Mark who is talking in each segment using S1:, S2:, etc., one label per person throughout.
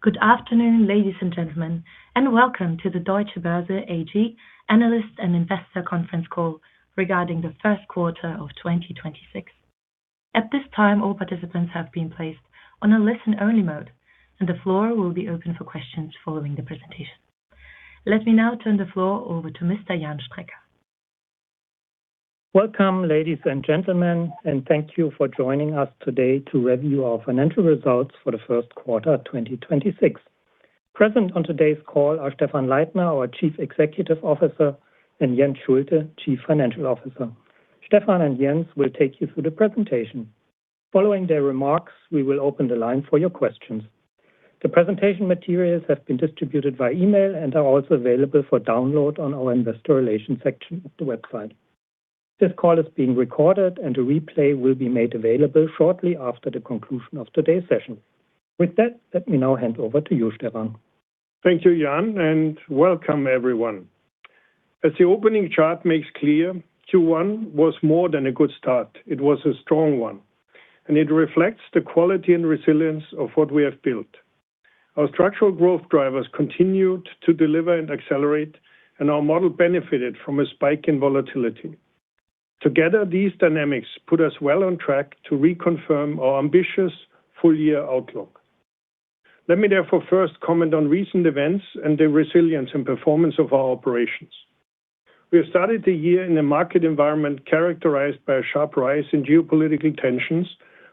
S1: Good afternoon, ladies and gentlemen, welcome to the Deutsche Börse AG analyst and investor conference call regarding the first quarter of 2026. At this time, all participants have been placed on a listen-only mode. The floor will be open for questions following the presentation. Let me now turn the floor over to Mr. Jan Strecker.
S2: Welcome, ladies and gentlemen, and thank you for joining us today to review our financial results for the first quarter 2026. Present on today's call are Stephan Leithner, our Chief Executive Officer, and Jens Schulte, Chief Financial Officer. Stephan and Jens will take you through the presentation. Following their remarks, we will open the line for your questions. The presentation materials have been distributed via email and are also available for download on our investor relations section of the website. This call is being recorded, and a replay will be made available shortly after the conclusion of today's session. With that, let me now hand over to you, Stephan.
S3: Thank you, Jan, and welcome everyone. As the opening chart makes clear, Q1 was more than a good start. It was a strong one, and it reflects the quality and resilience of what we have built. Our structural growth drivers continued to deliver and accelerate, and our model benefited from a spike in volatility. Together, these dynamics put us well on track to reconfirm our ambitious full-year outlook. Let me therefore first comment on recent events and the resilience and performance of our operations. We have started the year in a market environment characterized by a sharp rise in geopolitical tensions,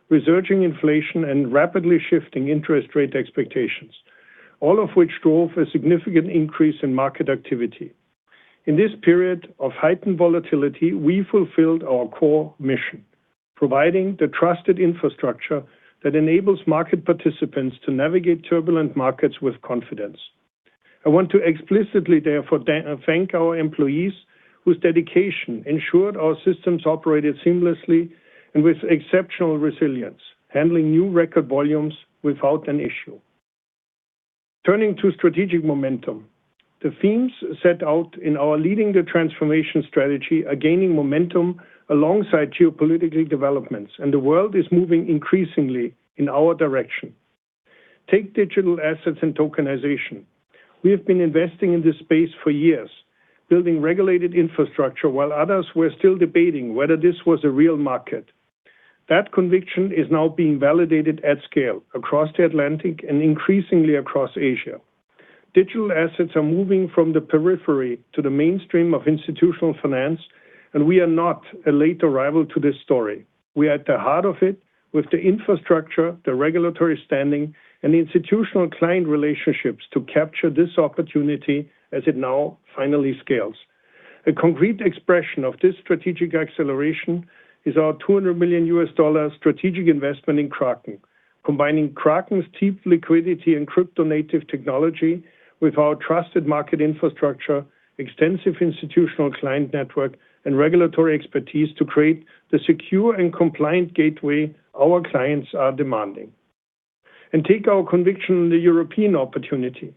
S3: resurging inflation, and rapidly shifting interest rate expectations, all of which drove a significant increase in market activity. In this period of heightened volatility, we fulfilled our core mission, providing the trusted infrastructure that enables market participants to navigate turbulent markets with confidence. I want to explicitly therefore thank our employees whose dedication ensured our systems operated seamlessly and with exceptional resilience, handling new record volumes without an issue. Turning to strategic momentum, the themes set out in our Leading the Transformation strategy are gaining momentum alongside geopolitical developments, the world is moving increasingly in our direction. Take digital assets and tokenization. We have been investing in this space for years, building regulated infrastructure while others were still debating whether this was a real market. That conviction is now being validated at scale across the Atlantic and increasingly across Asia. Digital assets are moving from the periphery to the mainstream of institutional finance, we are not a late arrival to this story. We are at the heart of it with the infrastructure, the regulatory standing, and the institutional client relationships to capture this opportunity as it now finally scales. A concrete expression of this strategic acceleration is our $200 million strategic investment in Kraken. Combining Kraken's deep liquidity and crypto-native technology with our trusted market infrastructure, extensive institutional client network, and regulatory expertise to create the secure and compliant gateway our clients are demanding. Take our conviction in the European opportunity.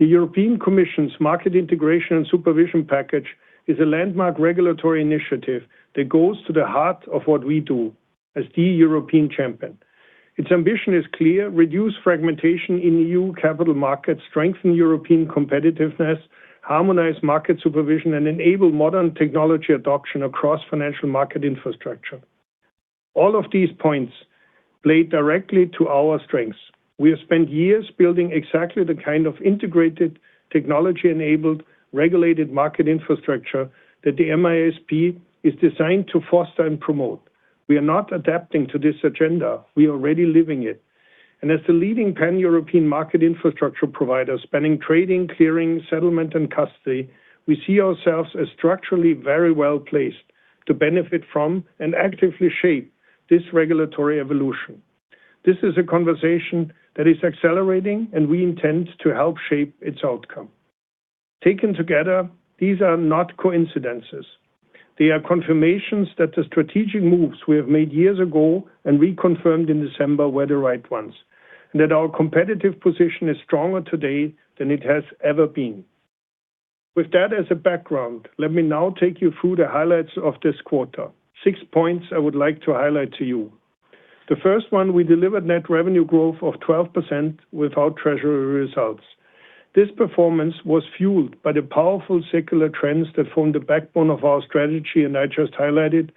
S3: The European Commission's Market Integration and Supervision Package is a landmark regulatory initiative that goes to the heart of what we do as the European champion. Its ambition is clear. Reduce fragmentation in new capital markets, strengthen European competitiveness, harmonize market supervision, and enable modern technology adoption across financial market infrastructure. All of these points play directly to our strengths. We have spent years building exactly the kind of integrated technology-enabled, regulated market infrastructure that the MISP is designed to foster and promote. We are not adapting to this agenda. We are already living it. As the leading pan-European market infrastructure provider spanning trading, clearing, settlement, and custody, we see ourselves as structurally very well placed to benefit from and actively shape this regulatory evolution. This is a conversation that is accelerating, and we intend to help shape its outcome. Taken together, these are not coincidences. They are confirmations that the strategic moves we have made years ago and reconfirmed in December were the right ones, and that our competitive position is stronger today than it has ever been. With that as a background, let me now take you through the highlights of this quarter. Six points I would like to highlight to you. The first one, we delivered net revenue growth of 12% without treasury results. This performance was fueled by the powerful secular trends that form the backbone of our strategy, I just highlighted,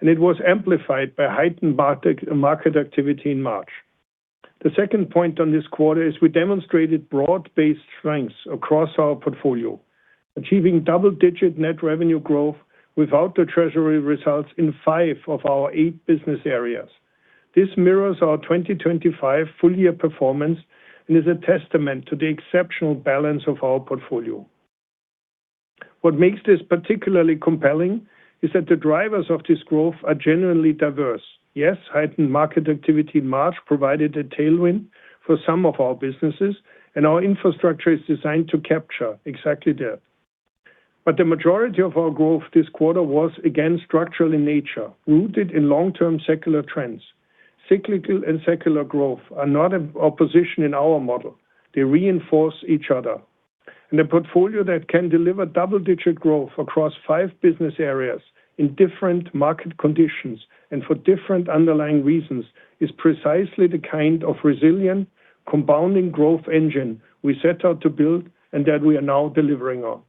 S3: and it was amplified by heightened market activity in March. The second point on this quarter is we demonstrated broad-based strengths across our portfolio. Achieving double-digit net revenue growth without the treasury results in five of our eight business areas. This mirrors our 2025 full-year performance and is a testament to the exceptional balance of our portfolio. What makes this particularly compelling is that the drivers of this growth are genuinely diverse. Yes, heightened market activity in March provided a tailwind for some of our businesses, our infrastructure is designed to capture exactly that. The majority of our growth this quarter was again structural in nature, rooted in long-term secular trends. Cyclical and secular growth are not in opposition in our model. They reinforce each other. A portfolio that can deliver double-digit growth across five business areas in different market conditions and for different underlying reasons is precisely the kind of resilient compounding growth engine we set out to build and that we are now delivering on.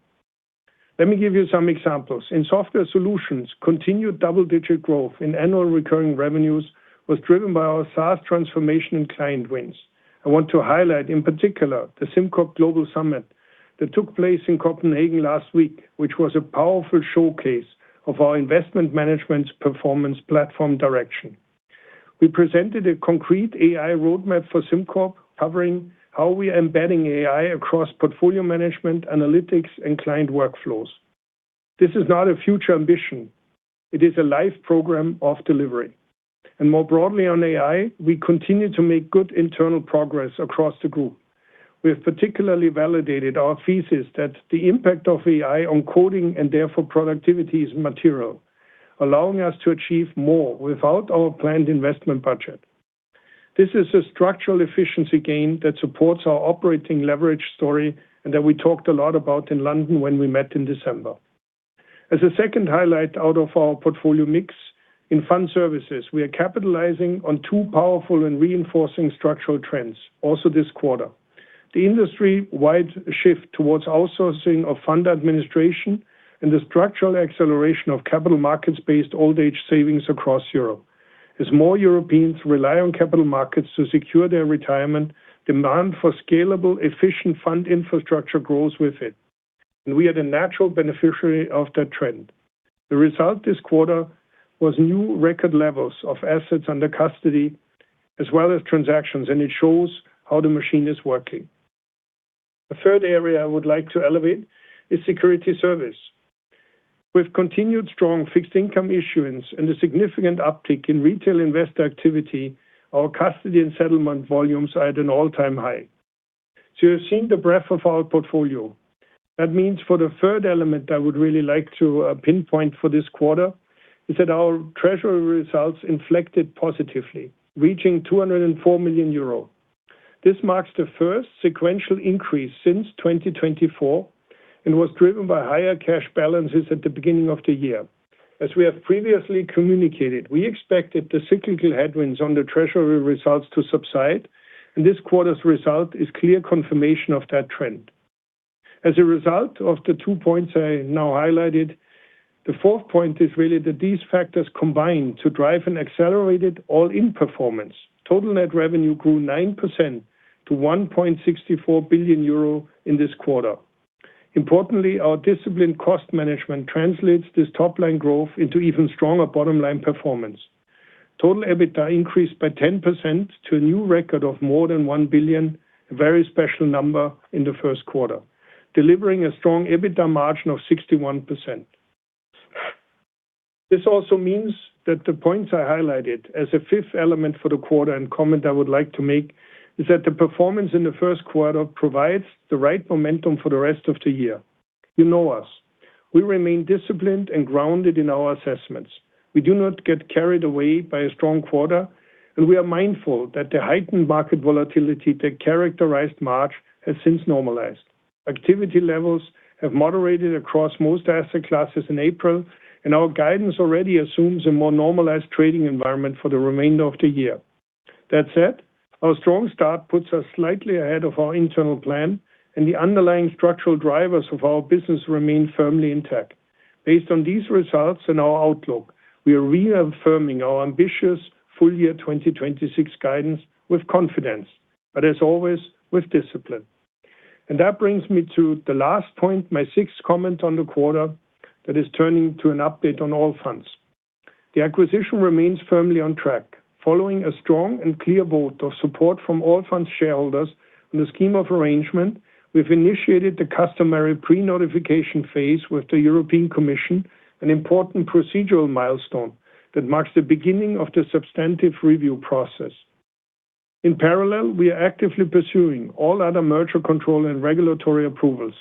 S3: Let me give you some examples. In software solutions, continued double-digit growth in annual recurring revenues was driven by our SaaS transformation and client wins. I want to highlight in particular the SimCorp Global Summit that took place in Copenhagen last week, which was a powerful showcase of our investment management performance platform direction. We presented a concrete AI roadmap for SimCorp, covering how we are embedding AI across portfolio management, analytics, and client workflows. This is not a future ambition. It is a live program of delivery. More broadly on AI, we continue to make good internal progress across the group. We have particularly validated our thesis that the impact of AI on coding, and therefore productivity, is material, allowing us to achieve more without our planned investment budget. This is a structural efficiency gain that supports our operating leverage story and that we talked a lot about in London when we met in December. As a second highlight out of our portfolio mix, in fund services, we are capitalizing on two powerful and reinforcing structural trends also this quarter, the industry-wide shift towards outsourcing of fund administration and the structural acceleration of capital markets-based old-age savings across Europe. As more Europeans rely on capital markets to secure their retirement, demand for scalable, efficient fund infrastructure grows with it, and we are the natural beneficiary of that trend. The result this quarter was new record levels of assets under custody as well as transactions, it shows how the machine is working. The third area I would like to elevate is Securities Service. With continued strong fixed income issuance and a significant uptick in retail investor activity, our custody and settlement volumes are at an all-time high. You have seen the breadth of our portfolio. That means for the third element I would really like to pinpoint for this quarter is that our treasury results inflected positively, reaching 204 million euro. This marks the first sequential increase since 2024 and was driven by higher cash balances at the beginning of the year. As we have previously communicated, we expected the cyclical headwinds on the treasury results to subside, this quarter's result is clear confirmation of that trend. As a result of the two points I now highlighted, the fourth point is really that these factors combine to drive an accelerated all-in performance. Total net revenue grew 9% to 1.64 billion euro in this quarter. Importantly, our disciplined cost management translates this top-line growth into even stronger bottom-line performance. Total EBITDA increased by 10% to a new record of more than 1 billion, a very special number in the first quarter, delivering a strong EBITDA margin of 61%. This also means that the points I highlighted as a fifth element for the quarter and comment I would like to make is that the performance in the first quarter provides the right momentum for the rest of the year. You know us. We remain disciplined and grounded in our assessments. We do not get carried away by a strong quarter, and we are mindful that the heightened market volatility that characterized March has since normalized. Activity levels have moderated across most asset classes in April, and our guidance already assumes a more normalized trading environment for the remainder of the year. That said, our strong start puts us slightly ahead of our internal plan, and the underlying structural drivers of our business remain firmly intact. Based on these results and our outlook, we are reaffirming our ambitious full year 2026 guidance with confidence, but as always, with discipline. That brings me to the last point, my sixth comment on the quarter that is turning to an update on Allfunds. The acquisition remains firmly on track. Following a strong and clear vote of support from Allfunds shareholders on the scheme of arrangement, we've initiated the customary pre-notification phase with the European Commission, an important procedural milestone that marks the beginning of the substantive review process. In parallel, we are actively pursuing all other merger control and regulatory approvals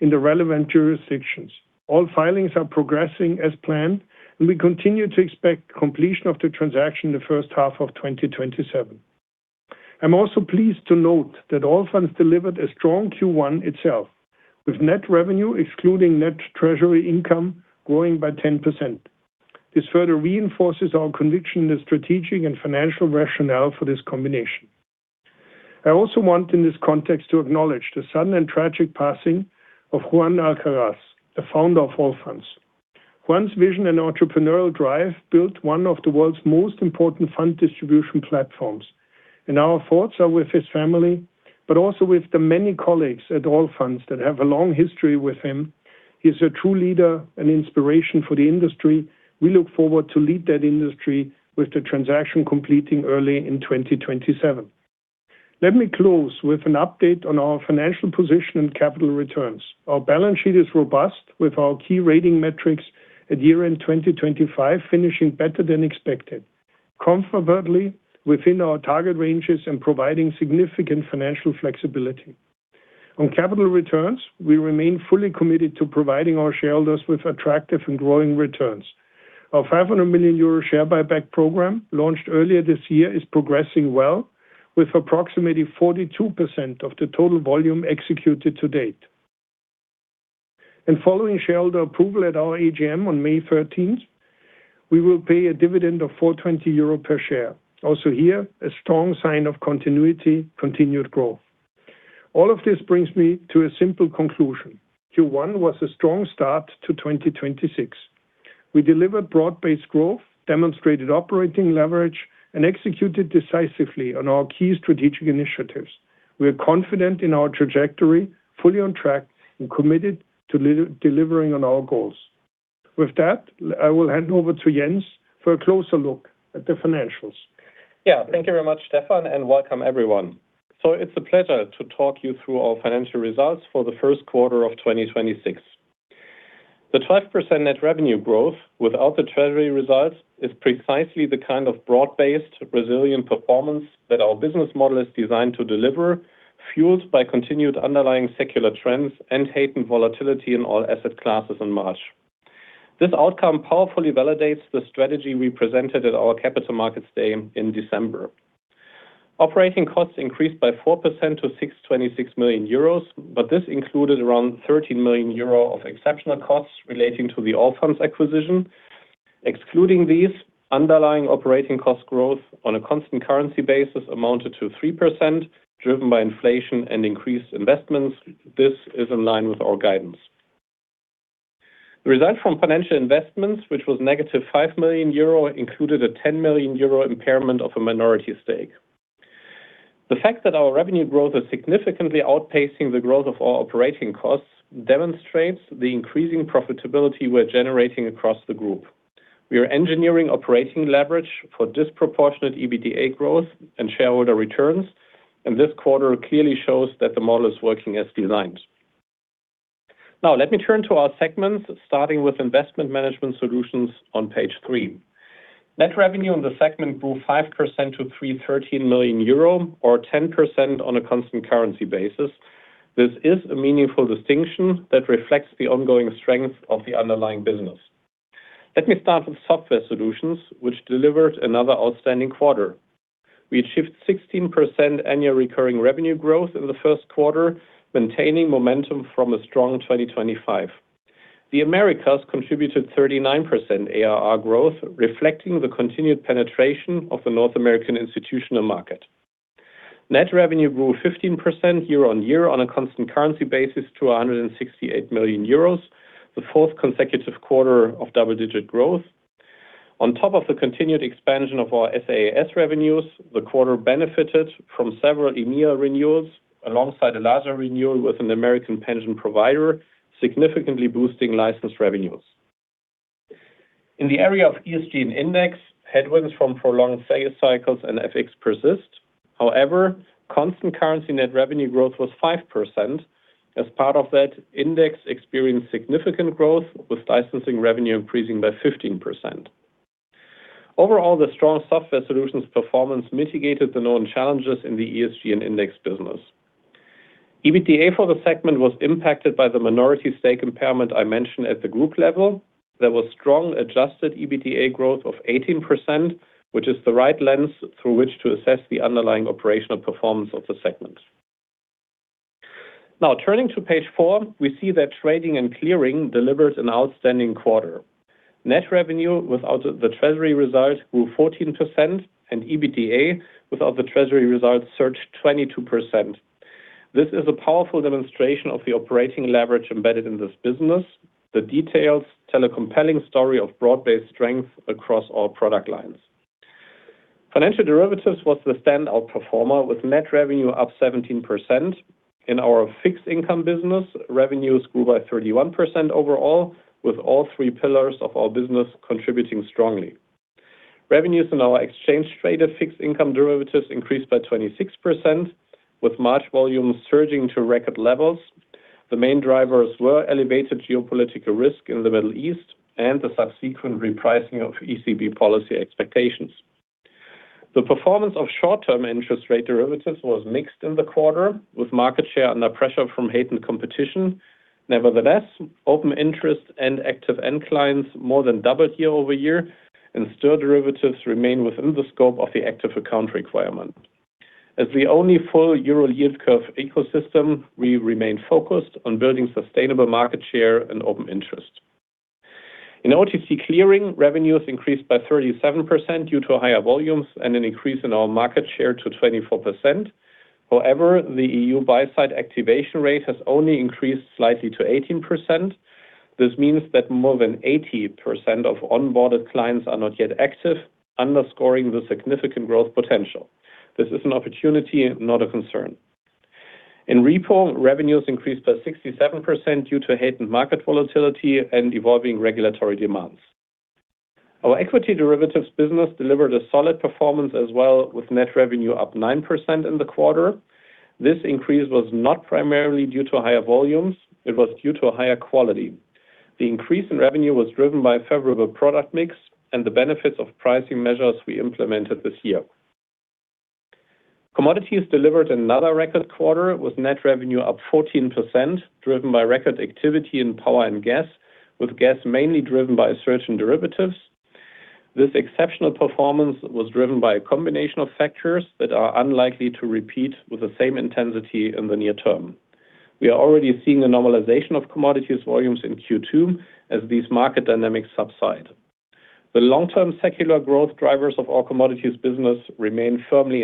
S3: in the relevant jurisdictions. All filings are progressing as planned. We continue to expect completion of the transaction in the first half of 2027. I'm also pleased to note that Allfunds delivered a strong Q1 itself, with net revenue, excluding net treasury income, growing by 10%. This further reinforces our conviction in the strategic and financial rationale for this combination. I also want, in this context, to acknowledge the sudden and tragic passing of Juan Alcaraz, the founder of Allfunds. Juan's vision and entrepreneurial drive built one of the world's most important fund distribution platforms. Our thoughts are with his family, but also with the many colleagues at Allfunds that have a long history with him. He's a true leader and inspiration for the industry. We look forward to lead that industry with the transaction completing early in 2027. Let me close with an update on our financial position and capital returns. Our balance sheet is robust with our key rating metrics at year-end 2025 finishing better than expected, comfortably within our target ranges and providing significant financial flexibility. On capital returns, we remain fully committed to providing our shareholders with attractive and growing returns. Our 500 million euro share buyback program, launched earlier this year, is progressing well with approximately 42% of the total volume executed to date. Following shareholder approval at our AGM on May 13th, we will pay a dividend of 4.20 euro per share. Also here, a strong sign of continuity, continued growth. All of this brings me to a simple conclusion. Q1 was a strong start to 2026. We delivered broad-based growth, demonstrated operating leverage, and executed decisively on our key strategic initiatives. We are confident in our trajectory, fully on track, and committed to delivering on our goals. With that, I will hand over to Jens for a closer look at the financials.
S4: Thank you very much, Stephan, and welcome everyone. It's a pleasure to talk you through our financial results for the first quarter of 2026. The 12% net revenue growth without the treasury results is precisely the kind of broad-based resilient performance that our business model is designed to deliver, fueled by continued underlying secular trends and heightened volatility in all asset classes in March. This outcome powerfully validates the strategy we presented at our Capital Markets Day in December. Operating costs increased by 4% to 626 million euros, this included around 13 million euro of exceptional costs relating to the Allfunds acquisition. Excluding these, underlying operating cost growth on a constant currency basis amounted to 3%, driven by inflation and increased investments. This is in line with our guidance. The result from financial investments, which was -5 million euro, included a 10 million euro impairment of a minority stake. The fact that our revenue growth is significantly outpacing the growth of our operating costs demonstrates the increasing profitability we are generating across the group. We are engineering operating leverage for disproportionate EBITDA growth and shareholder returns, and this quarter clearly shows that the model is working as designed. Let me turn to our segments, starting with Investment Management Solutions on page three. Net revenue in the segment grew 5% to 313 million euro or 10% on a constant currency basis. This is a meaningful distinction that reflects the ongoing strength of the underlying business. Let me start with software solutions, which delivered another outstanding quarter. We achieved 16% annual recurring revenue growth in the first quarter, maintaining momentum from a strong 2025. The Americas contributed 39% ARR growth, reflecting the continued penetration of the North American institutional market. Net revenue grew 15% year-on-year on a constant currency basis to 168 million euros. The fourth consecutive quarter of double-digit growth. On top of the continued expansion of our SaaS revenues, the quarter benefited from several EMEA renewals alongside a larger renewal with an American pension provider, significantly boosting licensed revenues. In the area of ESG and index, headwinds from prolonged sales cycles and FX persist. However, constant currency net revenue growth was 5%. As part of that, index experienced significant growth, with licensing revenue increasing by 15%. Overall, the strong software solutions performance mitigated the known challenges in the ESG and index business. EBITDA for the segment was impacted by the minority stake impairment I mentioned at the group level. There was strong adjusted EBITDA growth of 18%, which is the right lens through which to assess the underlying operational performance of the segment. Turning to page four, we see that trading and clearing delivered an outstanding quarter. Net revenue without the treasury results grew 14% and EBITDA without the treasury results surged 22%. This is a powerful demonstration of the operating leverage embedded in this business. The details tell a compelling story of broad-based strength across all product lines. Financial derivatives was the standout performer with net revenue up 17%. In our fixed income business, revenues grew by 31% overall, with all three pillars of our business contributing strongly. Revenues in our exchange-traded fixed income derivatives increased by 26%, with March volumes surging to record levels. The main drivers were elevated geopolitical risk in the Middle East and the subsequent repricing of ECB policy expectations. The performance of short-term interest rate derivatives was mixed in the quarter, with market share under pressure from heightened competition. Open interest and active end clients more than doubled year-over-year, and still derivatives remain within the scope of the Active Account Requirement. As the only full euro yield curve ecosystem, we remain focused on building sustainable market share and open interest. In OTC clearing, revenues increased by 37% due to higher volumes and an increase in our market share to 24%. The EU buy-side activation rate has only increased slightly to 18%. This means that more than 80% of onboarded clients are not yet active, underscoring the significant growth potential. This is an opportunity, not a concern. In repo, revenues increased by 67% due to heightened market volatility and evolving regulatory demands. Our equity derivatives business delivered a solid performance as well with net revenue up 9% in the quarter. This increase was not primarily due to higher volumes, it was due to higher quality. The increase in revenue was driven by favorable product mix and the benefits of pricing measures we implemented this year. Commodities delivered another record quarter with net revenue up 14%, driven by record activity in power and gas, with gas mainly driven by a surge in derivatives. This exceptional performance was driven by a combination of factors that are unlikely to repeat with the same intensity in the near term. We are already seeing a normalization of commodities volumes in Q2 as these market dynamics subside. The long-term secular growth drivers of our commodities business remain firmly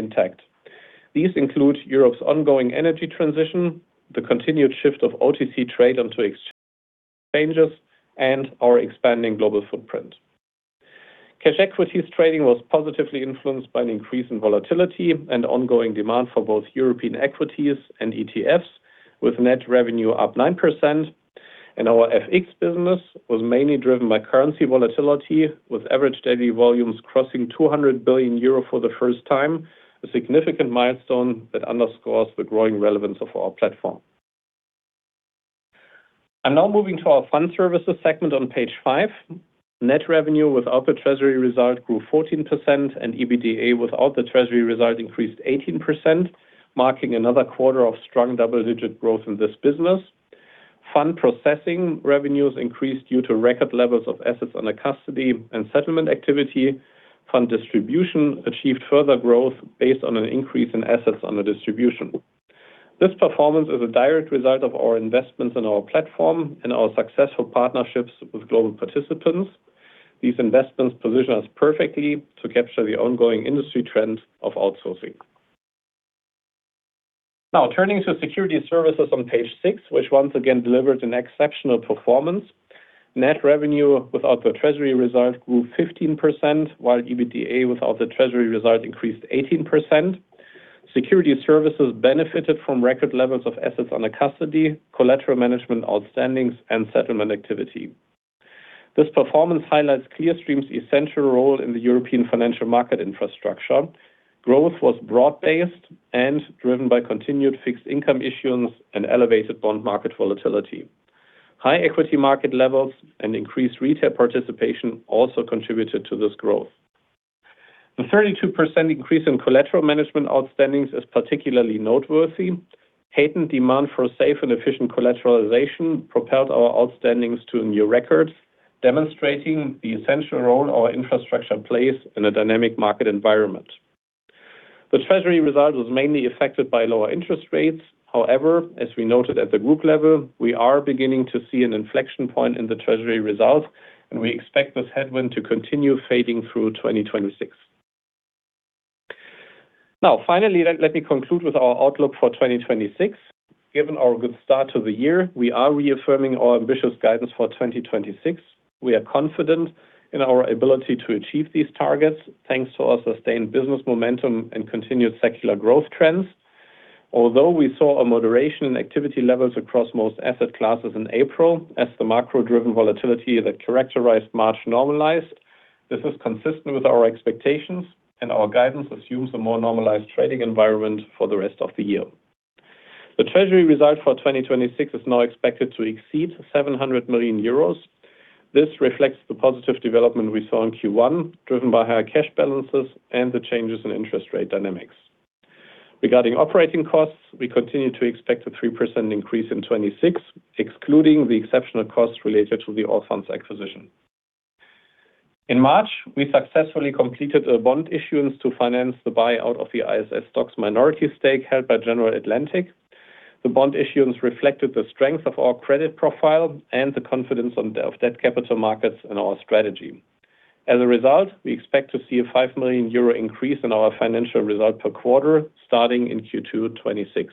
S4: intact. These include Europe's ongoing energy transition, the continued shift of OTC trade onto exchanges, and our expanding global footprint. Cash equities trading was positively influenced by an increase in volatility and ongoing demand for both European equities and ETFs, with net revenue up 9%. Our FX business was mainly driven by currency volatility, with average daily volumes crossing 200 billion euro for the first time, a significant milestone that underscores the growing relevance of our platform. Now moving to our fund services segment on page five. Net revenue without the treasury result grew 14%, and EBITDA without the treasury result increased 18%, marking another quarter of strong double-digit growth in this business. Fund processing revenues increased due to record levels of assets under custody and settlement activity. Fund distribution achieved further growth based on an increase in assets under distribution. This performance is a direct result of our investments in our platform and our successful partnerships with global participants. These investments position us perfectly to capture the ongoing industry trend of outsourcing. Now turning to Securities Services on page six, which once again delivered an exceptional performance. Net revenue without the treasury result grew 15%, while EBITDA without the treasury result increased 18%. Securities Services benefited from record levels of assets under custody, collateral management outstandings, and settlement activity. This performance highlights Clearstream's essential role in the European financial market infrastructure. Growth was broad-based and driven by continued fixed income issuance and elevated bond market volatility. High equity market levels and increased retail participation also contributed to this growth. The 32% increase in collateral management outstandings is particularly noteworthy. Heightened demand for safe and efficient collateralization propelled our outstandings to new records, demonstrating the essential role our infrastructure plays in a dynamic market environment. The treasury result was mainly affected by lower interest rates. As we noted at the group level, we are beginning to see an inflection point in the treasury result, and we expect this headwind to continue fading through 2026. Finally, let me conclude with our outlook for 2026. Given our good start to the year, we are reaffirming our ambitious guidance for 2026. We are confident in our ability to achieve these targets, thanks to our sustained business momentum and continued secular growth trends. Although we saw a moderation in activity levels across most asset classes in April as the macro-driven volatility that characterized March normalized, this is consistent with our expectations, and our guidance assumes a more normalized trading environment for the rest of the year. The treasury result for 2026 is now expected to exceed 700 million euros. This reflects the positive development we saw in Q1, driven by higher cash balances and the changes in interest rate dynamics. Regarding operating costs, we continue to expect a 3% increase in 2026, excluding the exceptional costs related to the Allfunds acquisition. In March, we successfully completed a bond issuance to finance the buyout of the ISS STOXX minority stake held by General Atlantic. The bond issuance reflected the strength of our credit profile and the confidence of debt capital markets and our strategy. As a result, we expect to see a 5 million euro increase in our financial result per quarter starting in Q2 2026.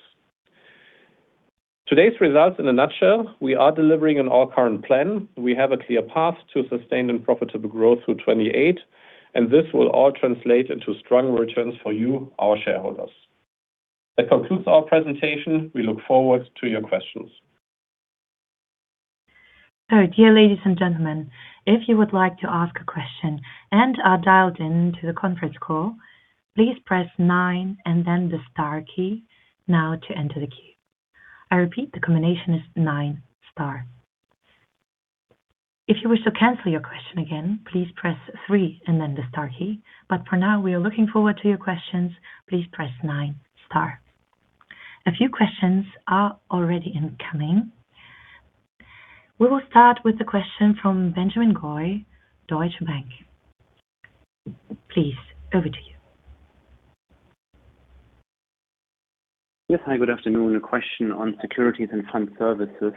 S4: Today's results in a nutshell, we are delivering on our current plan. We have a clear path to sustained and profitable growth through 2028. This will all translate into strong returns for you, our shareholders. That concludes our presentation. We look forward to your questions.
S1: Dear ladies and gentlemen, if you would like to ask a question and are dialed in to the conference call, please press nine and then the star key now to enter the queue. I repeat, the combination is nine, star. If you wish to cancel your question again, please press three and then the star key. For now, we are looking forward to your questions. Please press nine, star. A few questions are already incoming. We will start with the question from Benjamin Goy, Deutsche Bank. Please, over to you.
S5: Yes. Hi, good afternoon. A question on securities and fund services.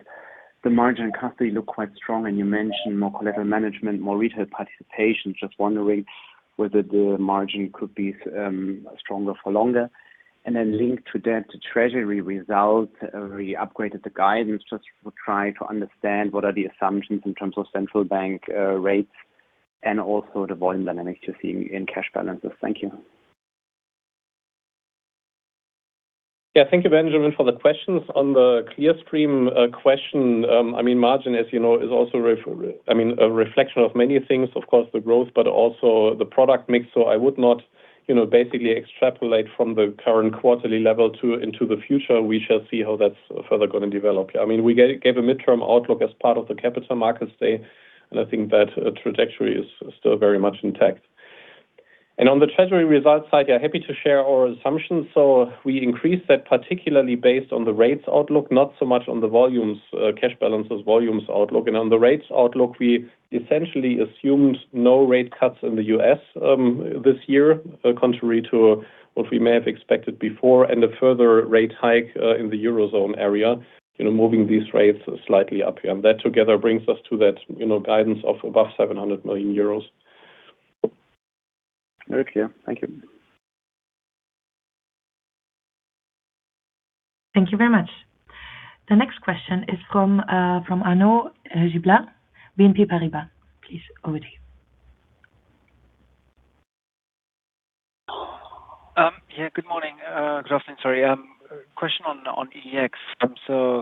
S5: The margin custody look quite strong, and you mentioned more collateral management, more retail participation. Just wondering whether the margin could be stronger for longer. Linked to that, the treasury result, we upgraded the guidance. Just try to understand what are the assumptions in terms of central bank rates and also the volume dynamics you're seeing in cash balances. Thank you.
S4: Yeah. Thank you, Benjamin, for the questions. On the Clearstream question, I mean, margin, as you know, is also a reflection of many things, of course, the growth, but also the product mix. I would not, you know, basically extrapolate from the current quarterly level into the future. We shall see how that's further gonna develop. I mean, we gave a midterm outlook as part of the Capital Markets Day. I think that trajectory is still very much intact. On the treasury results side, we are happy to share our assumptions. We increased that particularly based on the rates outlook, not so much on the volumes, cash balances volumes outlook. On the rates outlook, we essentially assumed no rate cuts in the U.S. this year, contrary to what we may have expected before and a further rate hike in the Eurozone area, you know, moving these rates slightly up. That together brings us to that, you know, guidance of above 700 million euros.
S5: Very clear. Thank you.
S1: Thank you very much. The next question is from Arnaud Giblat, BNP Paribas. Please, over to you.
S6: Good morning. Good afternoon, sorry. Question on EEX.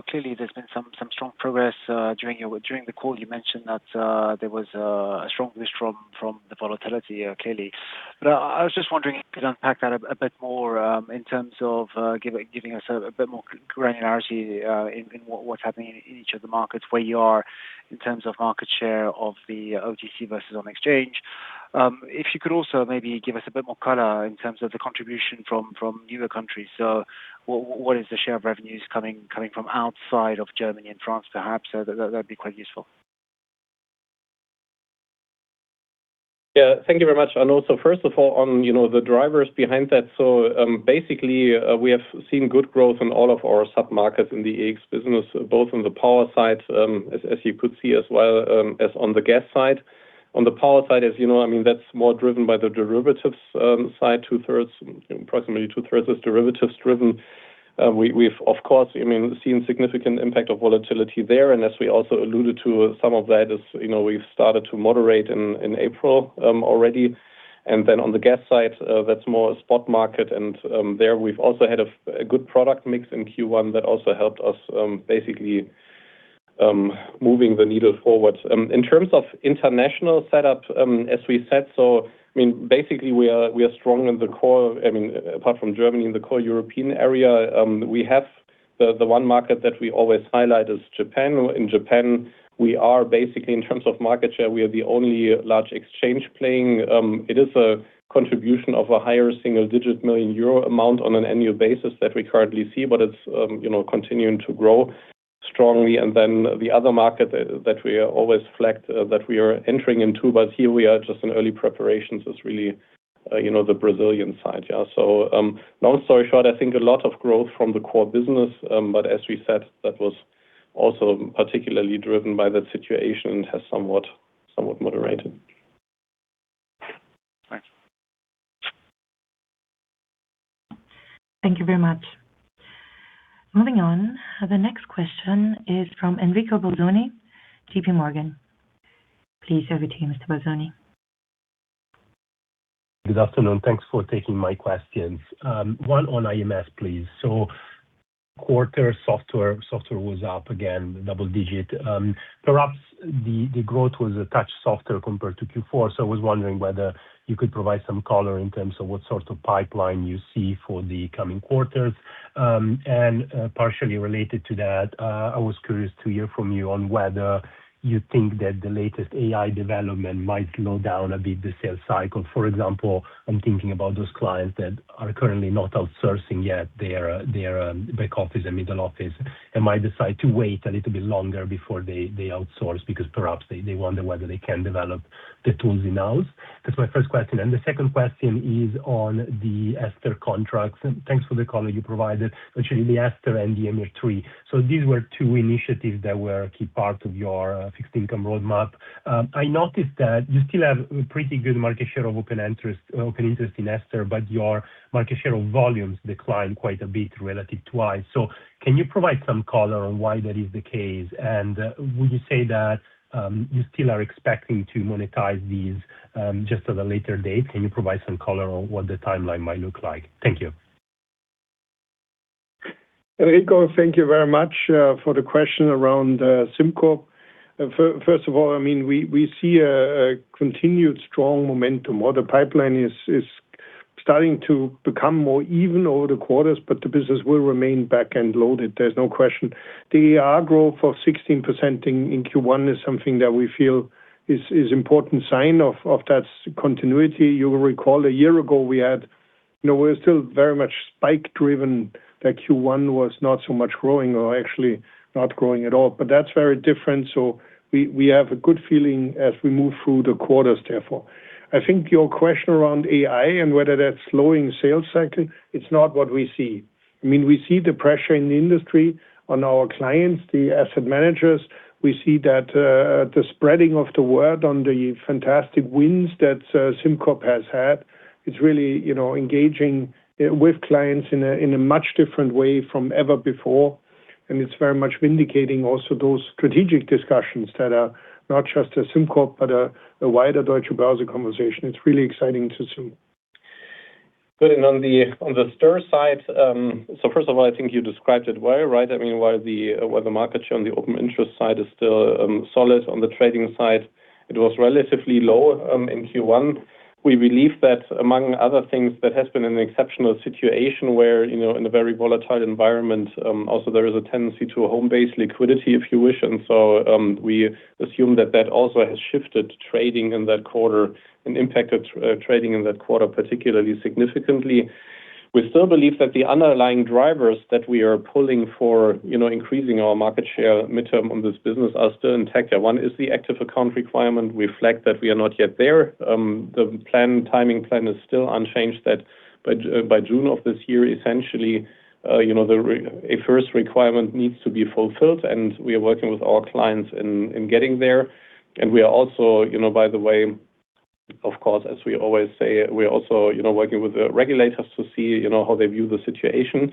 S6: Clearly there's been some strong progress. During the call, you mentioned that there was a strong boost from the volatility, clearly. I was just wondering if you could unpack that a bit more in terms of giving us a bit more granularity in what's happening in each of the markets, where you are in terms of market share of the OTC versus on exchange. If you could also maybe give us a bit more color in terms of the contribution from newer countries. What is the share of revenues coming from outside of Germany and France, perhaps? That would be quite useful.
S4: Thank you very much, Arnaud. First of all, on, you know, the drivers behind that, basically, we have seen good growth on all of our submarkets in the EEX business, both on the power side, as you could see as well, as on the gas side. On the power side, as you know, I mean, that's more driven by the derivatives side, approximately two-thirds is derivatives driven. We've of course, I mean, seen significant impact of volatility there. As we also alluded to, some of that is, you know, we've started to moderate in April already. On the gas side, that's more a spot market. There we've also had a good product mix in Q1 that also helped us, basically, moving the needle forward. In terms of international setup, as we said, basically we are strong in the core, apart from Germany, in the core European area. We have the one market that we always highlight is Japan. In Japan, we are basically, in terms of market share, we are the only large exchange playing. It is a contribution of a higher single digit million euro amount on an annual basis that we currently see, but it's, you know, continuing to grow strongly. The other market that we always flex, that we are entering into, but here we are just in early preparations, is really, you know, the Brazilian side. Long story short, I think a lot of growth from the core business, but as we said, that was also particularly driven by that situation and has somewhat moderated.
S6: Thanks.
S1: Thank you very much. Moving on. The next question is from Enrico Bolzoni, JPMorgan. Please, over to you, Mr. Bolzoni.
S7: Good afternoon. Thanks for taking my questions. One on IMS, please. Software was up again, double digit. Perhaps the growth was a touch softer compared to Q4. I was wondering whether you could provide some color in terms of what sort of pipeline you see for the coming quarters. And partially related to that, I was curious to hear from you on whether you think that the latest AI development might slow down a bit the sales cycle. For example, I'm thinking about those clients that are currently not outsourcing yet their back office and middle office and might decide to wait a little bit longer before they outsource because perhaps they wonder whether they can develop the tools in-house. That's my first question. The second question is on the STIR contracts, and thanks for the color you provided, especially the STIR and the GMA3. So, these were two initiatives that were key part of your fixed income roadmap. I noticed that you still have a pretty good market share of open interest in STIR, but your market share of volumes declined quite a bit relative to ICE. Can you provide some color on why that is the case? Would you say that you still are expecting to monetize these just at a later date? Can you provide some color on what the timeline might look like? Thank you.
S3: Enrico, thank you very much for the question around SimCorp. First of all, I mean, we see a continued strong momentum. While the pipeline is starting to become more even over the quarters, the business will remain back and loaded. There's no question. The ARR growth of 16% in Q1 is something that we feel is important sign of that continuity. You will recall a year ago we had. You know, we're still very much spike driven, that Q1 was not so much growing or actually not growing at all. That's very different. We have a good feeling as we move through the quarters, therefore. I think your question around AI and whether that's slowing sales cycle, it's not what we see. I mean, we see the pressure in the industry on our clients, the asset managers. We see that the spreading of the word on the fantastic wins that SimCorp has had. It's really, you know, engaging with clients in a much different way from ever before. It's very much vindicating also those strategic discussions that are not just a SimCorp, but a wider Deutsche Börse conversation. It's really exciting to see.
S4: Good. On the STIR side, first of all, I think you described it well, right? I mean, while the, while the market share on the open interest side is still solid on the trading side, it was relatively low in Q1. We believe that among other things that has been an exceptional situation where, you know, in a very volatile environment, also there is a tendency to home-base liquidity, if you wish. We assume that that also has shifted trading in that quarter and impacted trading in that quarter, particularly significantly. We still believe that the underlying drivers that we are pulling for, you know, increasing our market share midterm on this business are still intact. One is the Active Account Requirement. We reflect that we are not yet there. The timing plan is still unchanged that by June of this year, essentially, you know, a first requirement needs to be fulfilled, and we are working with our clients in getting there. We are also, you know, by the way, of course, as we always say, we are also, you know, working with the regulators to see, you know, how they view the situation.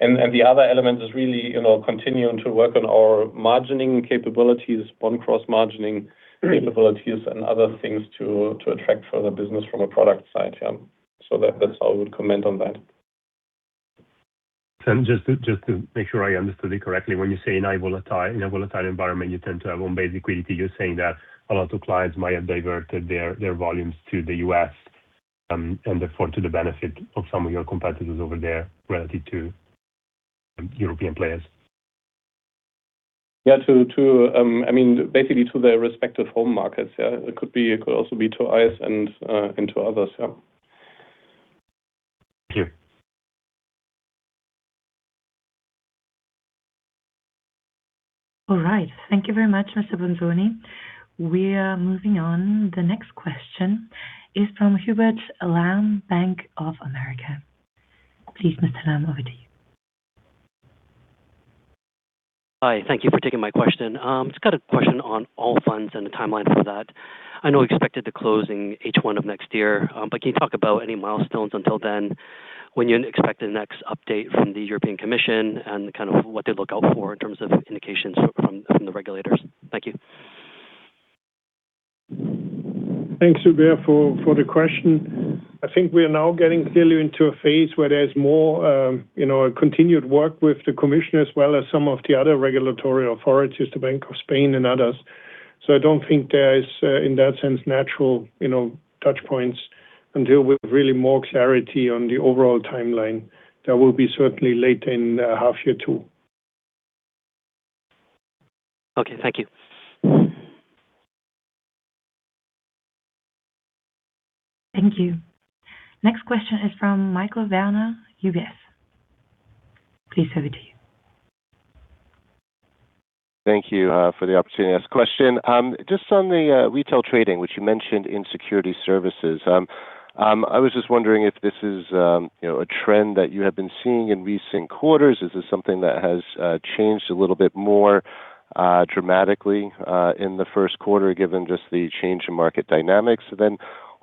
S4: The other element is really, you know, continuing to work on our margining capabilities, bond cross margining capabilities.
S7: Mm-hmm...
S4: and other things to attract further business from a product side. Yeah. That's how I would comment on that.
S7: Just to make sure I understood it correctly, when you say in a volatile environment, you tend to have home-based liquidity, you are saying that a lot of clients might have diverted their volumes to the U.S., and therefore to the benefit of some of your competitors over there relative to European players.
S4: Yeah. To, I mean, basically to their respective home markets, yeah. It could also be to ICE and to others, yeah.
S7: Thank you.
S1: All right. Thank you very much, Mr. Bolzoni. We are moving on. The next question is from Hubert Lam, Bank of America. Please, Mr. Lam, over to you.
S8: Hi. Thank you for taking my question. Just got a question on Allfunds and the timeline for that. I know we expected the closing H1 of next year, but can you talk about any milestones until then, when you expect the next update from the European Commission and kind of what to look out for in terms of indications from the regulators? Thank you.
S3: Thanks, Hubert, for the question. I think we are now getting clearly into a phase where there's more, you know, continued work with the commission as well as some of the other regulatory authorities, the Bank of Spain and others. I don't think there is, in that sense, natural, you know, touch points until we've really more clarity on the overall timeline. That will be certainly late in half year two.
S8: Okay. Thank you.
S1: Thank you. Next question is from Michael Werner, UBS. Please over to you.
S9: Thank you for the opportunity to ask a question. Just on the retail trading, which you mentioned in Securities Services. I was just wondering if this is, you know, a trend that you have been seeing in recent quarters. Is this something that has changed a little bit more dramatically in the first quarter, given just the change in market dynamics?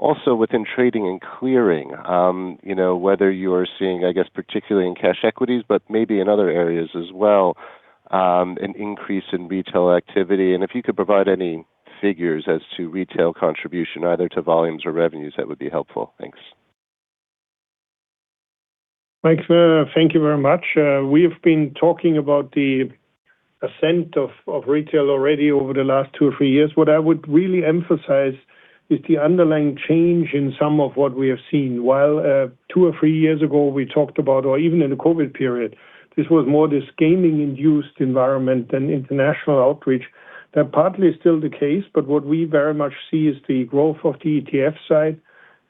S9: Also within trading and clearing, you know, whether you're seeing, I guess, particularly in cash equities, but maybe in other areas as well, an increase in retail activity, and if you could provide any figures as to retail contribution either to volumes or revenues, that would be helpful. Thanks.
S3: Michael, thank you very much. We have been talking about the ascent of retail already over the last two or three years. What I would really emphasize is the underlying change in some of what we have seen. While two or three years ago we talked about, or even in the COVID period, this was more this gaming-induced environment than international outreach. That partly is still the case, but what we very much see is the growth of the ETF side,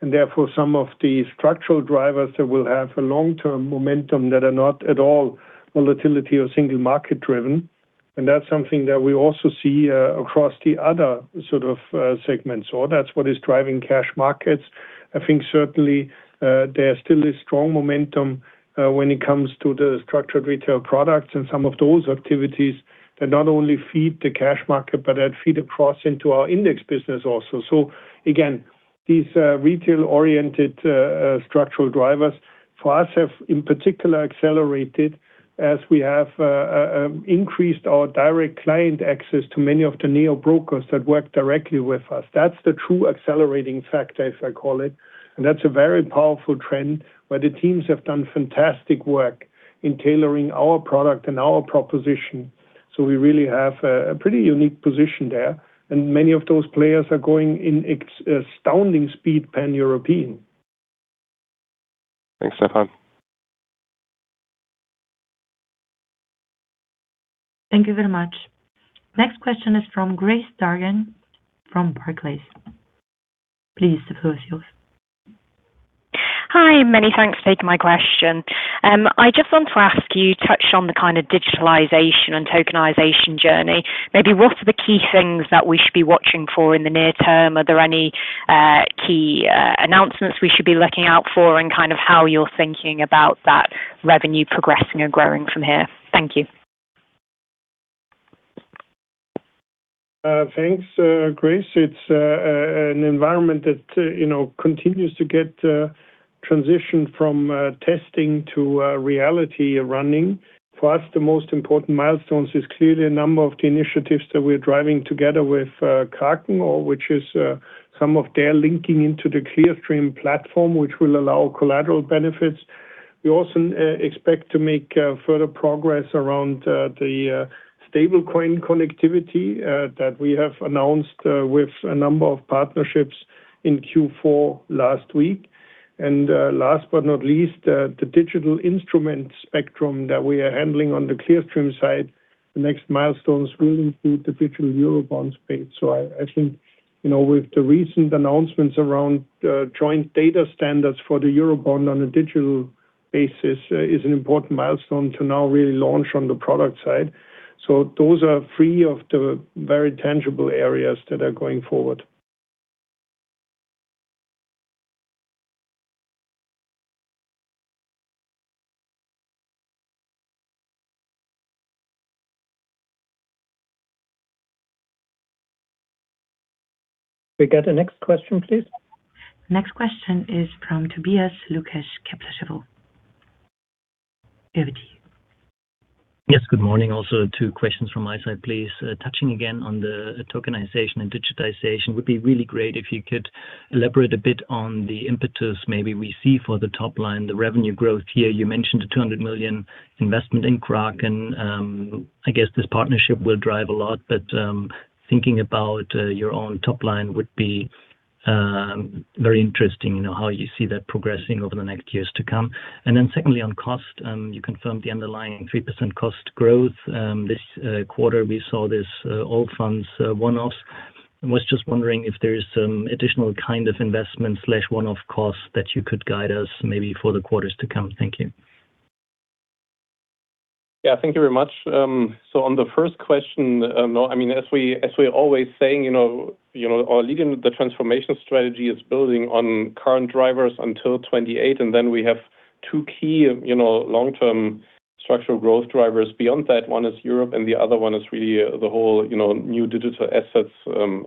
S3: and therefore some of the structural drivers that will have a long-term momentum that are not at all volatility or single market-driven. That's something that we also see across the other sort of segments, or that's what is driving cash markets. I think certainly, there still is strong momentum, when it comes to the structured retail products and some of those activities that not only feed the cash market, but that feed across into our index business also. Again, these, retail-oriented, structural drivers for us have, in particular, accelerated as we have, increased our direct client access to many of the neo-brokers that work directly with us. That's the true accelerating factor, as I call it. That's a very powerful trend where the teams have done fantastic work in tailoring our product and our proposition. We really have a pretty unique position there, and many of those players are going in ex-astounding speed pan-European.
S9: Thanks, Stephan.
S1: Thank you very much. Next question is from Grace Dargan from Barclays. Please, the floor is yours.
S10: Hi. Many thanks for taking my question. I just want to ask, you touched on the kind of digitalization and tokenization journey. Maybe what are the key things that we should be watching for in the near term? Are there any key announcements we should be looking out for and kind of how you're thinking about that revenue progressing or growing from here? Thank you.
S3: Thanks, Grace. It's an environment that, you know, continues to get transition from testing to reality running. For us, the most important milestones is clearly a number of the initiatives that we're driving together with Kraken, or which is some of their linking into the Clearstream platform, which will allow collateral benefits. We also expect to make further progress around the stable coin connectivity that we have announced with a number of partnerships in Q4 last week. Last but not least, the digital instrument spectrum that we are handling on the Clearstream side, the next milestone will include the digital Eurobond space. I think, you know, with the recent announcements around joint data standards for the Eurobond on a digital basis is an important milestone to now really launch on the product side. Those are three of the very tangible areas that are going forward. Can we get the next question, please?
S1: Next question is from Tobias Lukesch, Kepler Cheuvreux. Over to you.
S11: Yes, good morning. Two questions from my side, please. Touching again on the tokenization and digitization, would be really great if you could elaborate a bit on the impetus maybe we see for the top line, the revenue growth here. You mentioned the $200 million investment in Kraken. I guess this partnership will drive a lot, thinking about your own top line would be very interesting, you know, how you see that progressing over the next years to come. Secondly, on cost, you confirmed the underlying 3% cost growth. This quarter we saw this Allfunds one-offs. I was just wondering if there is some additional kind of investment/one-off costs that you could guide us maybe for the quarters to come. Thank you.
S4: Thank you very much. On the first question, no, I mean, as we, as we are always saying, you know, you know, our Leading the Transformation strategy is building on current drivers until 2028, we have two key, you know, long-term structural growth drivers. Beyond that, one is Europe, the other one is really the whole, you know, new digital assets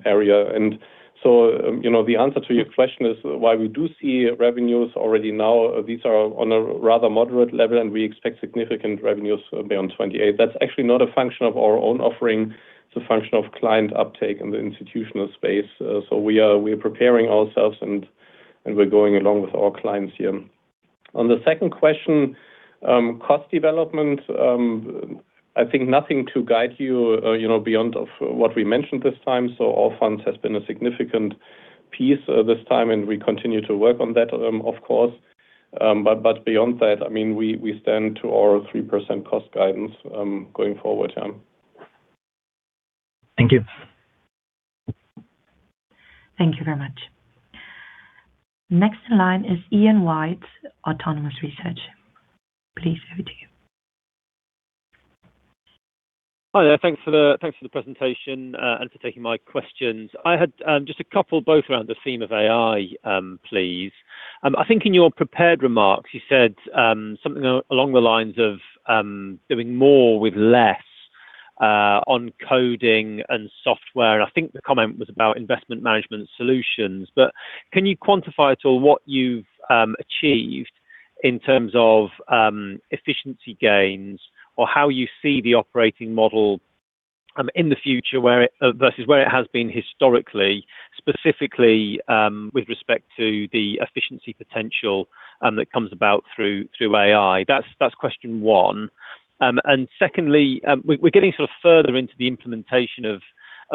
S4: area. You know, the answer to your question is while we do see revenues already now, these are on a rather moderate level, we expect significant revenues beyond 2028. That's actually not a function of our own offering, it's a function of client uptake in the institutional space. We are preparing ourselves and we're going along with our clients here. On the second question, cost development, I think nothing to guide you know, beyond of what we mentioned this time. Allfunds has been a significant piece this time, and we continue to work on that, of course. Beyond that, I mean, we stand to our 3% cost guidance going forward.
S11: Thank you.
S1: Thank you very much. Next in line is Ian White, Autonomous Research. Please, over to you.
S12: Hi there. Thanks for the presentation and for taking my questions. I had just a couple both around the theme of AI, please. I think in your prepared remarks, you said something along the lines of doing more with less on coding and software. I think the comment was about investment management solutions. Can you quantify at all what you've achieved in terms of efficiency gains or how you see the operating model in the future versus where it has been historically, specifically with respect to the efficiency potential that comes about through AI? That's question one. Secondly, we're getting sort of further into the implementation of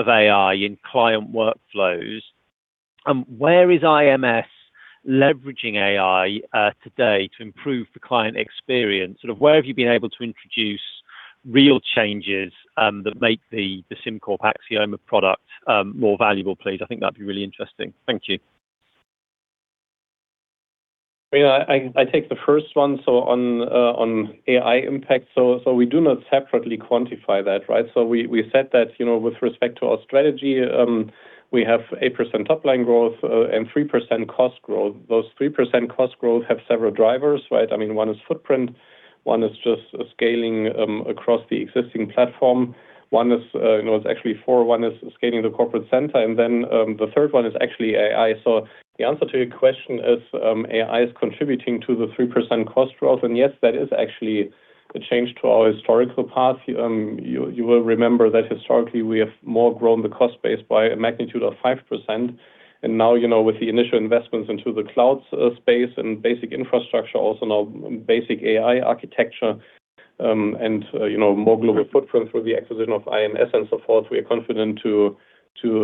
S12: AI in client workflows. Where is IMS leveraging AI today to improve the client experience? Sort of where have you been able to introduce real changes, that make the SimCorp Axioma product, more valuable, please? I think that'd be really interesting. Thank you.
S4: Yeah. I take the first one, on AI impact. We do not separately quantify that, right? We said that, you know, with respect to our strategy, we have 8% top-line growth, and 3% cost growth. Those 3% cost growth have several drivers, right? I mean, one is footprint, one is just scaling across the existing platform. One is, you know, it's actually four. One is scaling the corporate center, and then the third one is actually AI. The answer to your question is, AI is contributing to the 3% cost growth. Yes, that is actually a change to our historical path. You will remember that historically, we have more grown the cost base by a magnitude of 5%. Now, you know, with the initial investments into the cloud space and basic infrastructure, also now basic AI architecture, and, you know, more global footprint through the acquisition of IMS and so forth, we are confident to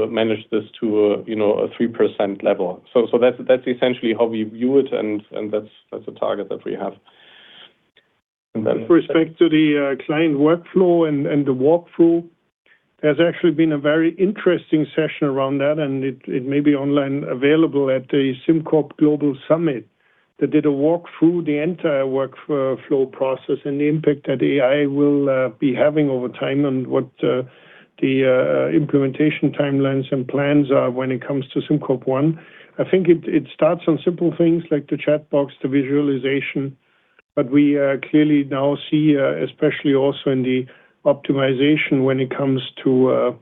S4: manage this to a, you know, a 3% level. That's essentially how we view it, that's the target that we have.
S3: With respect to the client workflow and the walkthrough, there's actually been a very interesting session around that, and it may be online available at the SimCorp Global Summit. They did a walkthrough the entire workflow process and the impact that AI will be having over time and what the implementation timelines and plans are when it comes to SimCorp One. I think it starts on simple things like the chat box, the visualization, but we clearly now see, especially also in the optimization when it comes to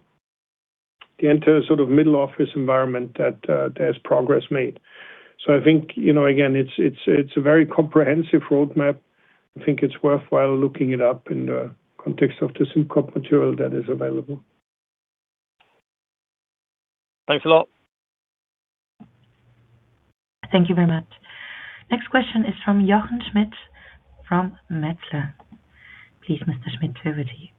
S3: the entire sort of middle office environment that there's progress made. I think, you know, again, it's, it's a very comprehensive roadmap. I think it's worthwhile looking it up in the context of the SimCorp material that is available.
S12: Thanks a lot.
S1: Thank you very much. Next question is from Jochen Schmitt from Metzler. Please, Mr. Schmitt, over to you.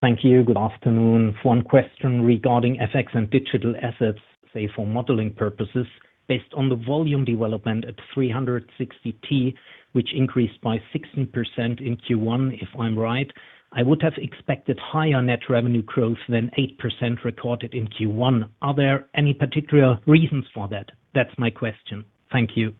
S13: Thank you. Good afternoon. One question regarding FX and digital assets, say, for modeling purposes. Based on the volume development at 360T, which increased by 16% in Q1, if I'm right, I would have expected higher net revenue growth than 8% recorded in Q1. Are there any particular reasons for that? That's my question. Thank you.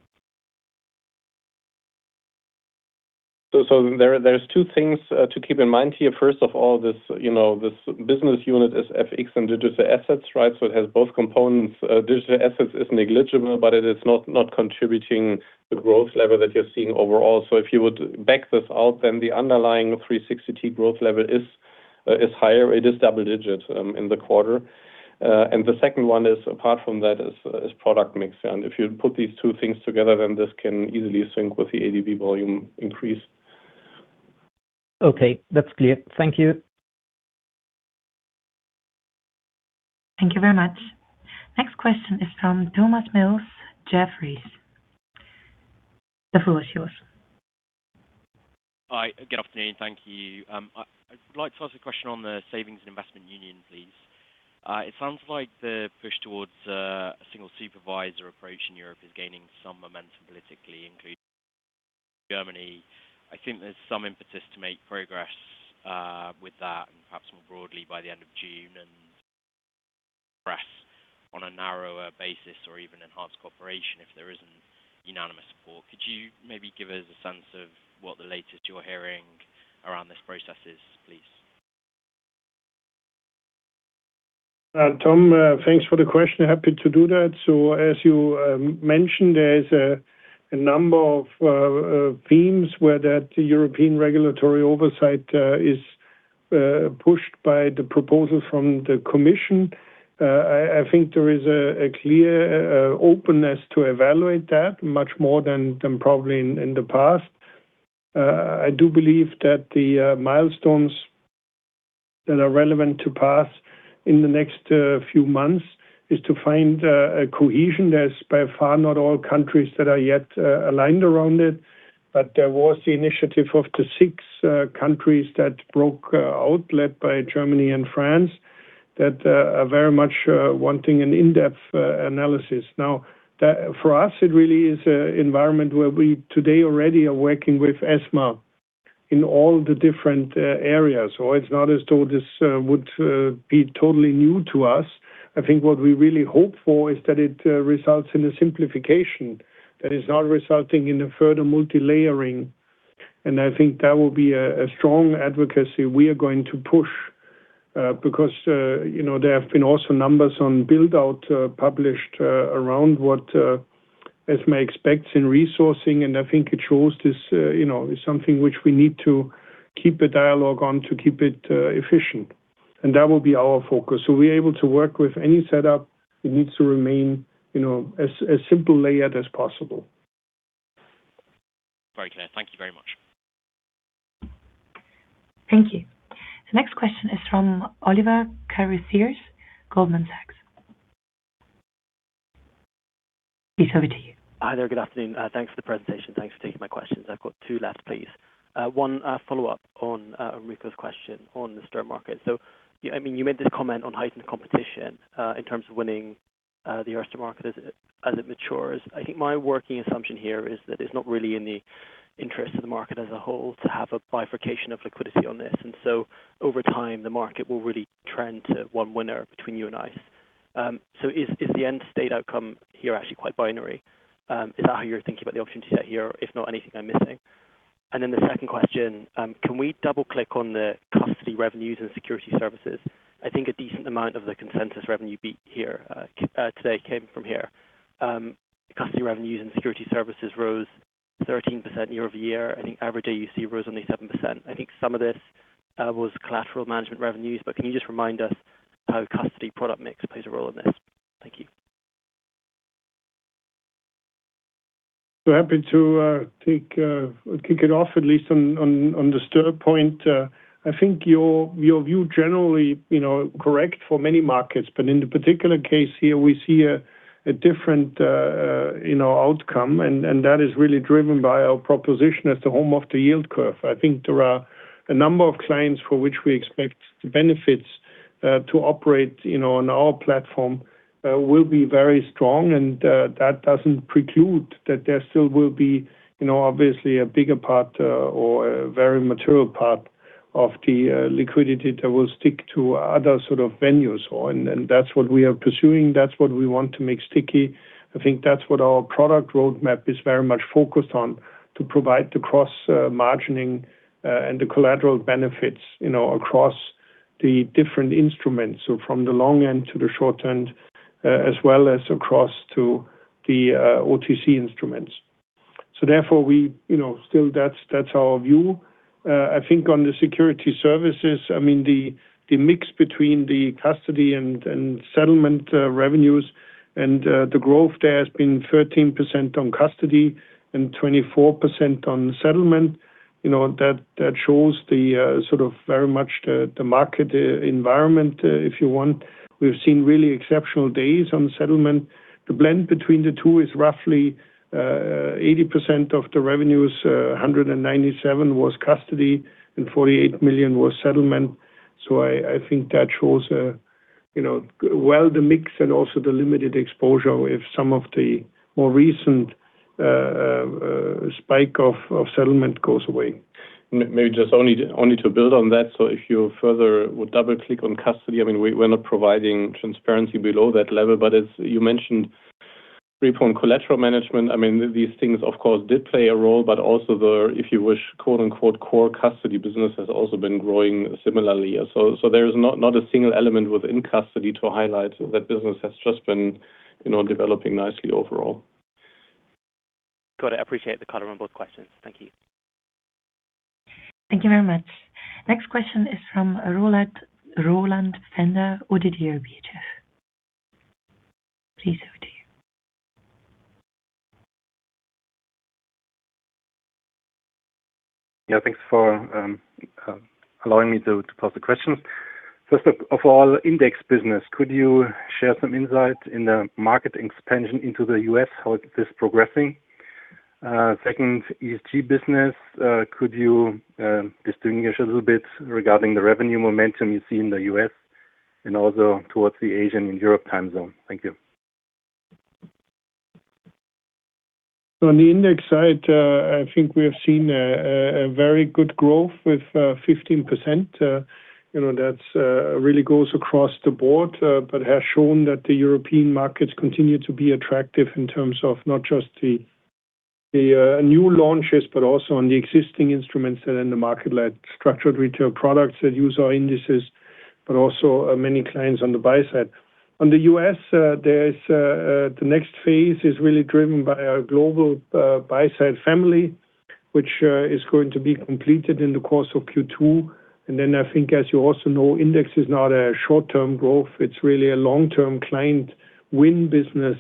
S4: There are two things to keep in mind here. First of all, this, you know, this business unit is FX and digital assets, right? It has both components. Digital assets is negligible, but it is not contributing the growth level that you're seeing overall. If you would back this out, then the underlying 360T growth level is higher. It is double digits in the quarter. The second one, apart from that, is product mix. If you put these two things together, then this can easily sync with the ADV volume increase.
S13: Okay. That's clear. Thank you.
S1: Thank you very much. Next question is from Thomas Mills, Jefferies. The floor is yours.
S14: Hi. Good afternoon. Thank you. I'd like to ask a question on the savings and investment union, please. It sounds like the push towards a single supervisor approach in Europe is gaining some momentum politically, including Germany. I think there's some impetus to make progress with that and perhaps more broadly by the end of June and progress on a narrower basis or even enhanced cooperation if there isn't unanimous support. Could you maybe give us a sense of what the latest you're hearing around this process is, please?
S3: Tom, thanks for the question. Happy to do that. As you mentioned, there's a number of themes where that European regulatory oversight is pushed by the proposal from the commission. I think there is a clear openness to evaluate that much more than probably in the past. I do believe that the milestones that are relevant to pass in the next few months is to find a cohesion. There's by far not all countries that are yet aligned around it. There was the initiative of the six countries that broke out, led by Germany and France, that are very much wanting an in-depth analysis. For us, it really is an environment where we today already are working with ESMA in all the different areas. It's not as though this would be totally new to us. I think what we really hope for is that it results in a simplification that is not resulting in a further multi-layering. I think that will be a strong advocacy we are going to push because, you know, there have been also numbers on build-out published around what ESMA expects in resourcing. I think it shows this, you know, is something which we need to keep a dialogue on to keep it efficient. That will be our focus. We're able to work with any setup. It needs to remain, you know, as simple layered as possible.
S14: Very clear. Thank you very much.
S1: Thank you. The next question is from Oliver Carruthers, Goldman Sachs. Please, over to you.
S15: Hi there. Good afternoon. Thanks for the presentation. Thanks for taking my questions. I've got two left, please. One, a follow-up on Enrico's question on the STIR market. I mean, you made the comment on heightened competition in terms of winning the STIR market as it matures. I think my working assumption here is that it's not really in the interest of the market as a whole to have a bifurcation of liquidity on this. Over time, the market will really trend to one winner between you and ICE. Is the end state outcome here actually quite binary? Is that how you're thinking about the opportunity set here? If not, anything I'm missing. The second question, can we double-click on the custody revenues and securities services? I think a decent amount of the consensus revenue beat here today came from here. The custody revenues and securities services rose 13% year-over-year. I think average AUC rose only 7%. I think some of this was collateral management revenues. Can you just remind us how custody product mix plays a role in this? Thank you.
S3: Happy to kick it off at least on, on the STIR point. I think your view generally, you know, correct for many markets. In the particular case here, we see a different, you know, outcome. That is really driven by our proposition as the home of the yield curve. I think there are a number of clients for which we expect the benefits to operate, you know, on our platform, will be very strong. That doesn't preclude that there still will be, you know, obviously a bigger part or a very material part of the liquidity that will stick to other sort of venues. That's what we are pursuing. That's what we want to make sticky. I think that's what our product roadmap is very much focused on, to provide the cross margining and the collateral benefits, you know, across the different instruments. From the long end to the short end, as well as across to the OTC instruments. Therefore we, you know, still that's our view. I think on the securities services, I mean, the mix between the custody and settlement revenues and the growth there has been 13% on custody and 24% on settlement. You know, that shows the sort of very much the market environment, if you want. We've seen really exceptional days on settlement. The blend between the two is roughly 80% of the revenues, 197 was custody, and 48 million was settlement. I think that shows a, you know, well the mix and also the limited exposure if some of the more recent spike of settlement goes away.
S4: Maybe just only to build on that. If you further would double-click on custody, I mean, we're not providing transparency below that level, but as you mentioned, repo and collateral management, I mean, these things of course did play a role, but also the, if you wish, quote unquote, "core custody" business has also been growing similarly. There is not a single element within custody to highlight. That business has just been, you know, developing nicely overall.
S15: Got it. I appreciate the color on both questions. Thank you.
S1: Thank you very much. Next question is from, Roland Pfänder, ODDO BHF. Please, over to you.
S16: Yeah, thanks for allowing me to pose the questions. First of all, index business, could you share some insight in the market expansion into the U.S., how it is progressing? Second, ESG business, could you distinguish a little bit regarding the revenue momentum you see in the U.S. and also towards the Asian and Europe time zone? Thank you.
S3: On the index side, I think we have seen a very good growth with 15%. You know, that really goes across the board, but has shown that the European markets continue to be attractive in terms of not just the new launches, but also on the existing instruments that are in the market, like structured retail products that use our indices, but also many clients on the buy side. On the U.S., there is the next phase is really driven by our global buy side family, which is going to be completed in the course of Q2. I think as you also know, index is not a short-term growth, it's really a long-term client win business.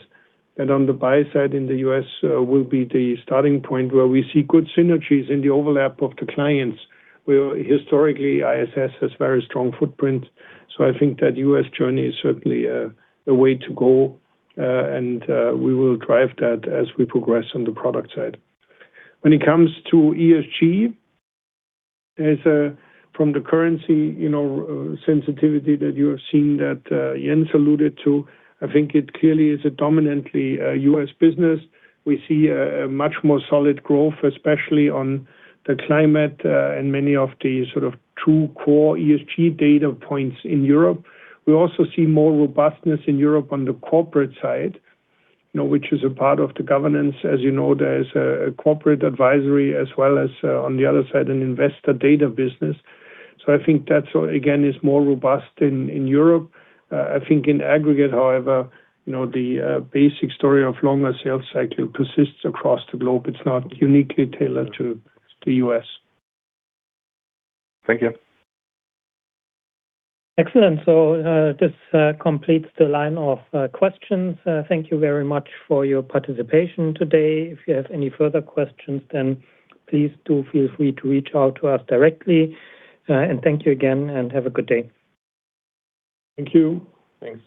S3: On the buy side in the U.S. will be the starting point where we see good synergies in the overlap of the clients, where historically ISS has very strong footprint. I think that U.S. journey is certainly a way to go, and we will drive that as we progress on the product side. When it comes to ESG, from the currency, you know, sensitivity that you have seen that Jens alluded to, I think it clearly is a dominantly U.S. business. We see a much more solid growth, especially on the climate, and many of the sort of true core ESG data points in Europe. We also see more robustness in Europe on the corporate side, you know, which is a part of the governance. As you know, there's a corporate advisory as well as on the other side, an investor data business. I think that's, again, is more robust in Europe. I think in aggregate, however, you know, the basic story of longer sales cycle persists across the globe. It's not uniquely tailored to the U.S.
S16: Thank you.
S2: Excellent. This completes the line of questions. Thank you very much for your participation today. If you have any further questions, please do feel free to reach out to us directly. Thank you again, and have a good day.
S3: Thank you.
S4: Thanks.